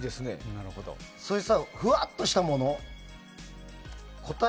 そういうふわっとしたもの。